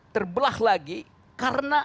terbelah lagi karena